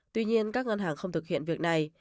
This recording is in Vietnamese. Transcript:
tuy nhiên các ngân hàng không thực hiện việc này